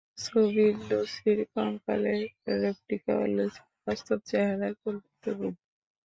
ছবিতে লুসির কঙ্কালের রেপ্লিকা ও লুসির বাস্তব চেহারার কল্পিত রূপ।